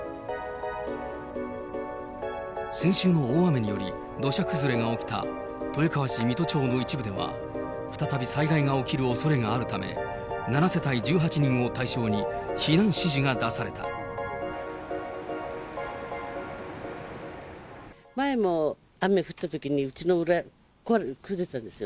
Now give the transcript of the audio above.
先週の大雨により、土砂崩れが起きた豊川市御津町の一部では、再び災害が起きるおそれがあるため、７世帯１８人を対象に、前も雨降ったときに、うちの裏、崩れたんですよ。